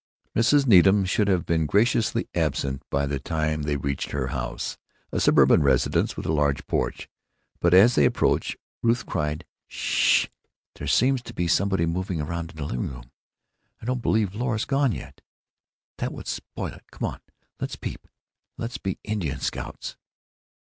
Mrs. Needham should have been graciously absent by the time they reached her house—a suburban residence with a large porch. But, as they approached, Ruth cried: "'Shhhh! There seems to be somebody moving around in the living room. I don't believe Laura 's gone yet. That would spoil it. Come on. Let's peep. Let's be Indian scouts!"